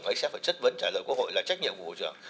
anh sẽ phải chất vấn trả lời quốc hội là trách nhiệm của bộ trưởng